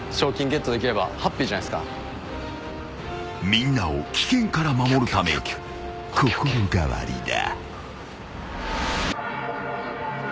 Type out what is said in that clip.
［みんなを危険から守るため心変わりだ］